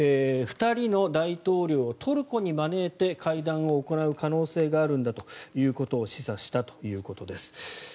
２人の大統領をトルコに招いて会談を行う可能性があるんだということを示唆したということです。